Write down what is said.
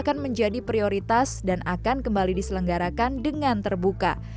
akan menjadi prioritas dan akan kembali diselenggarakan dengan terbuka